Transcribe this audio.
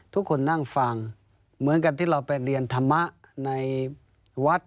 ทุกคนนั่งฟังเหมือนกับที่เราไปเรียนธรรมะในวัด